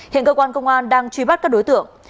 hiện cơ quan công an đang truy bắt các đối tượng